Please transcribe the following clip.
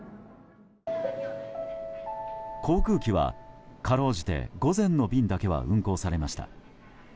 航空機はかろうじて午前の便だけは運航されました。